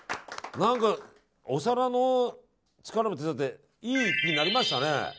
何かお皿の力も手伝っていい一品になりましたね。